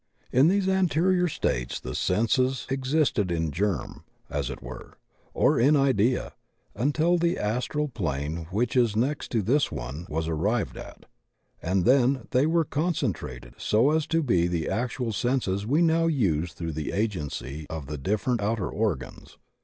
In these anterior states the senses existed in germ, as it were, or in idea, imtil the astral plane which is next to this one was arrived at, and then they were concentrated so as to be the actual senses we now use through the agency of the different outer organs.